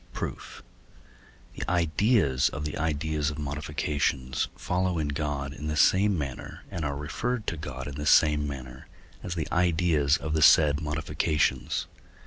Proof. The ideas of the ideas of modifications follow in God in the same manner, and are referred to God in the same manner, as the ideas of the said modifications.